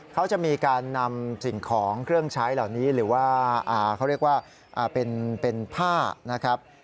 เขาจะมีการนำสิ่งของเครื่องใช้เหล่านี้หรือว่าเขาเรียกว่าเป็นผ้านะครับ